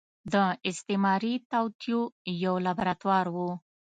د استعماري توطيو يو لابراتوار و.